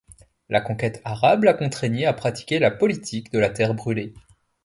La conquête arabe la contraignit à pratiquer la politique de la terre brûlée.